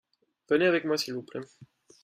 venez avec moi s'il vous plait .